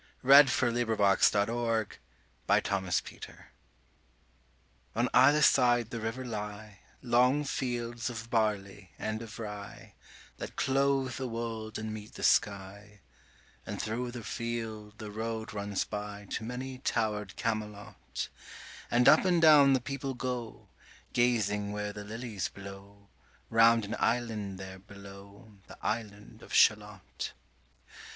1809–1892 700. The Lady of Shalott PART ION either side the river lie Long fields of barley and of rye, That clothe the wold and meet the sky; And thro' the field the road runs by To many tower'd Camelot; 5 And up and down the people go, Gazing where the lilies blow Round an island there below, The island of Shalott.